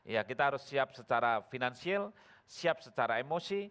ya kita harus siap secara finansial siap secara emosi